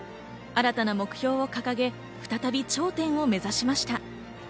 新たな目標を掲げ、再び頂点を目指しました。